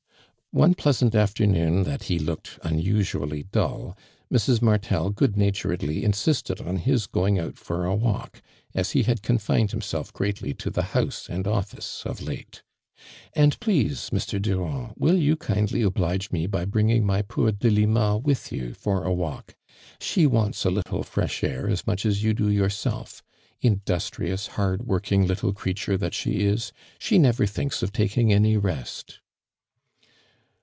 One pleasant afternoon that he looked unusually dull, Mrs. Martel good naturedly insisted on his going out for a walk, as he had confined himself greatly to the house and office of late. " And please, Mr. Durand, will you kindly oblige me by bringing my poor Delima with you for a walk ? She wants a little fresh air as much as you do yourself. Industrious; hard work ing little creature that she is, she never thinks of taking any rest."